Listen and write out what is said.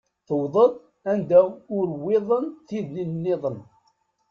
Tewḍeḍ anda ur wwiḍent tid nniḍen.